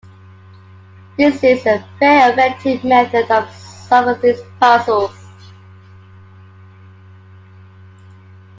This is a very effective method of solving these puzzles.